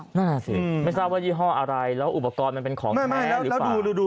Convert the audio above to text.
เมื่อกี้เอาไงสิไม่ทราบว่ายี่ห้ออะไรแล้วอุปกรณ์มันควรแค่งี้หรือเปล่า